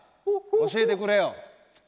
教えてくれよ。